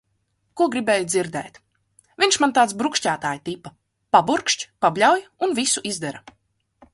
Ko gribēju dzirdēt. Viņš man tāds brukšķētāju tipa- paburkšķ, pabļauj un visu izdara.